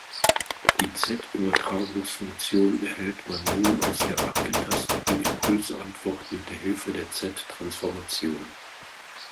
Die z-Übertragungsfunktion erhält man nun aus der abgetasteten Impulsantwort mit Hilfe der z-Transformation.